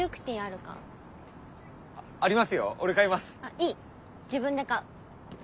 いい自分で買う。